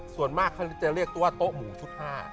ส่วนมากเขาจะเรียกตัวโต๊ะหมูชุด๕